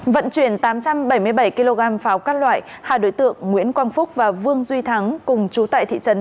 vận chuyển tám trăm bảy mươi bảy kg pháo các loại hai đối tượng nguyễn quang phúc và vương duy thắng cùng chú tại thị trấn